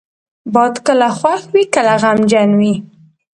باد کله خوښ وي، کله غمجنه وي